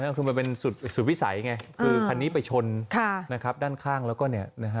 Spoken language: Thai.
คือมันเป็นสุดวิสัยไงคันนี้ไปชนด้านข้างแล้วก็เนี่ย